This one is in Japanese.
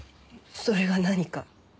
それが何か？